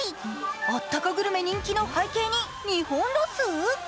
あったかグルメ人気の背景に、日本ロス？